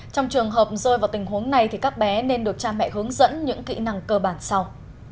trong trường hợp rơi vào tình huống này thì các bé nên được cha mẹ hướng dẫn những kỹ năng cơ bản sau